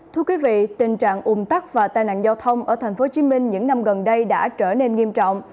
tình trạng ùm tắc và tai nạn giao thông ở tp hcm những năm gần đây đã trở nên nghiêm trọng